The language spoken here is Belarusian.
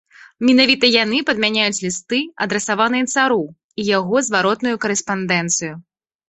Менавіта яны падмяняюць лісты, адрасаваныя цару, і яго зваротную карэспандэнцыю.